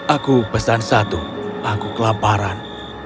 aku pesan satu aku kelaparan